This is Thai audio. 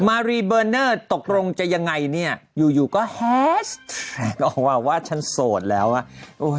มารีเบอร์เนอร์ตกลงจะยังไงเนี่ยอยู่อยู่ก็แฮชแท็กออกมาว่าฉันโสดแล้วอ่ะโอ้ย